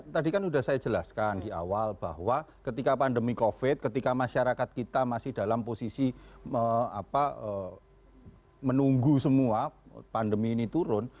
tadi kan sudah saya jelaskan di awal bahwa ketika pandemi covid ketika masyarakat kita masih dalam posisi menunggu semua pandemi ini turun